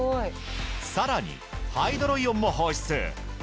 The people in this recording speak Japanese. さらにハイドロイオンも放出。